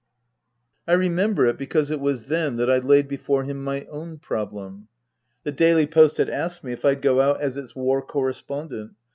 I remember it because it was then that I laid before him my own problem. The Daily Post had asked me if I'd go out as its War Correspondent.